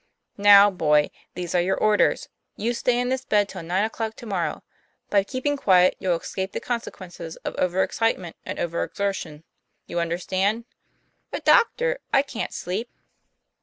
' Now, boy, these are your orders. You stay in this bed till nine o'clock to morrow. By keeping quiet, you'll escape the consequences of over excite ment and over exertion. You understand ?" 'But, doctor, I can't sleep."